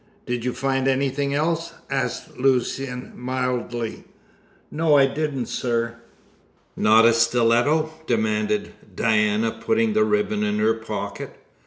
"Did you find anything else?" asked Lucian mildly. "No, I didn't, sir." "Not a stiletto?" demanded Diana, putting the ribbon in her pocket.